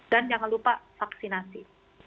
dan jangan lupa vaksinasi